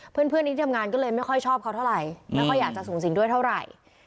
เพื่อนที่ทำงานก็เลยไม่ค่อยชอบเขาเท่าไหร่ไม่ค่อยอยากจะสูงสิงด้วยเท่าไหร่